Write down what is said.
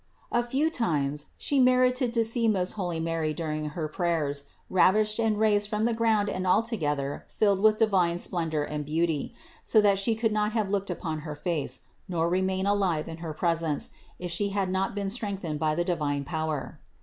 A few times She merited to see most holy Mary during her prayers, ravished and raised from the ground and altogether filled with divine splendor and 194 CITY OF GOD beauty, so that she could not have looked upon her face, nor remain alive in her presence, if she had not been strengthened by divine power.